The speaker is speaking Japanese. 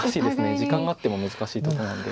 時間があっても難しいとこなので。